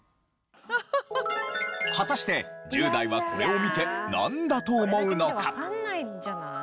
果たして１０代はこれを見てなんだと思うのか？